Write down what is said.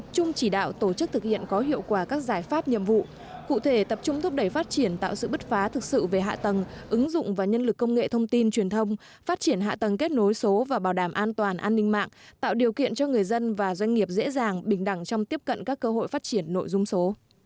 chúng thúc đẩy phát triển tạo sự bứt phá thực sự về hạ tầng ứng dụng và nhân lực công nghệ thông tin truyền thông phát triển hạ tầng kết nối số và bảo đảm an toàn an ninh mạng tạo điều kiện cho người dân và doanh nghiệp dễ dàng bình đẳng trong tiếp cận các cơ hội phát triển nội dung số